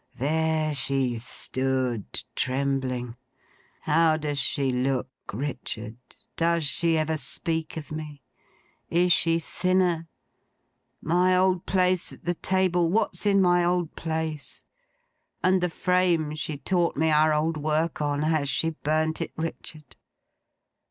'There she stood: trembling! "How does she look, Richard? Does she ever speak of me? Is she thinner? My old place at the table: what's in my old place? And the frame she taught me our old work on—has she burnt it, Richard!"